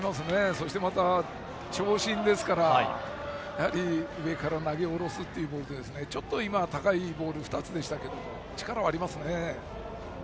そして、長身ですから上から投げ下ろすということでちょっと高いボール２つでしたけど力はありますね。